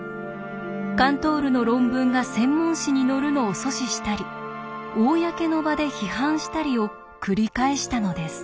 カントールの論文が専門誌に載るのを阻止したり公の場で批判したりを繰り返したのです。